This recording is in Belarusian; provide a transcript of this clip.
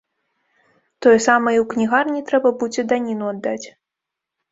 Тое самае і ў кнігарні трэба будзе даніну аддаць.